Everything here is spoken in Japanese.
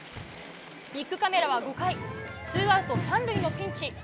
ビックカメラは５回ツーアウト３塁のピンチ。